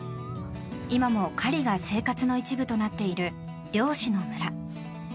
今も狩りが生活の一部となっている猟師の村。